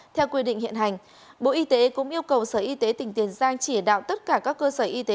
theo quy định hiện hành bộ y tế cũng yêu cầu sở y tế tỉnh tiền giang chỉ đạo tất cả các cơ sở y tế